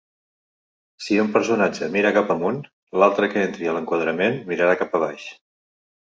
Si un personatge mira cap amunt, l'altre que entri a l'enquadrament mirarà cap a baix.